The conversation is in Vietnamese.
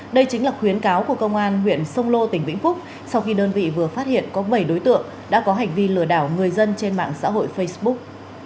đây chính là khuyến cáo của công an huyện sông lô tỉnh vĩnh phúc sau khi đơn vị vừa phát hiện có bảy đối tượng đã có hành vi lừa đảo người dân trên mạng xã hội facebook